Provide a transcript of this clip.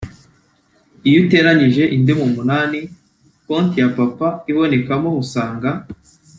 Iyo uteranyije indimi umunani konti ya Papa ibonekamo usanga